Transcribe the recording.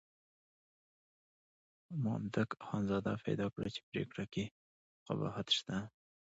مامدک اخندزاده پیدا کړه چې پرېکړه کې قباحت شته.